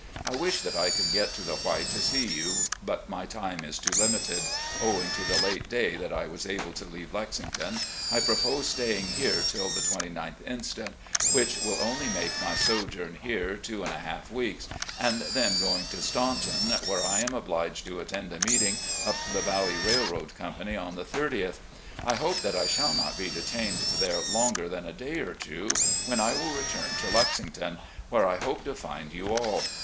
I wish that I could get to the White to see you, but my time is too limited, owing to the late day that I was able to leave Lexington. I propose staying here till the 29th inst., which will only make my sojourn here two and a half weeks, and then going to Staunton, where I am obliged to attend a meeting of the Valley Railroad Company on the 30th. I hope that I shall not be detained there longer than a day or two, when I will return to Lexington, where I hope to find you all.